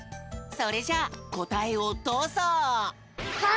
それじゃあこたえをどうぞ！